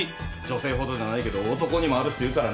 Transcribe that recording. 女性ほどじゃないけど男にもあるっていうからね。